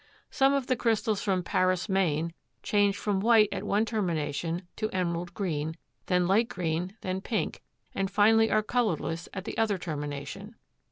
Some of the crystals from Paris, Me., change from white at one termination to emerald green, then light green, then pink, and finally are colorless at the other termination.